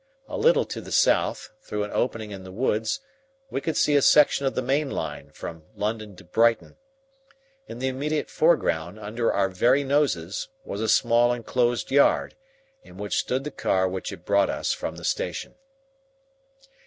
A little to the south, through an opening in the woods, we could see a section of the main line from London to Brighton. In the immediate foreground, under our very noses, was a small enclosed yard, in which stood the car which had brought us from the station.